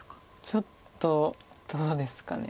ちょっとどうですかね。